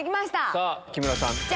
さぁ木村さん。